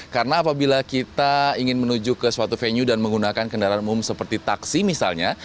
karena apabila kita ingin menuju ke suatu venue dan menggunakan kendaraan umum seperti taksi misalnya